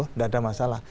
tidak ada masalah